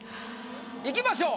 いきましょう。